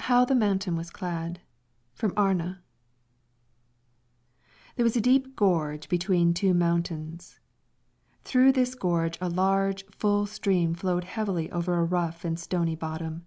HOW THE MOUNTAIN WAS CLAD From 'Arne' There was a deep gorge between two mountains. Through this gorge a large, full stream flowed heavily over a rough and stony bottom.